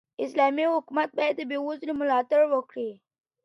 اسلامي حکومت باید د بېوزلو ملاتړ وکړي.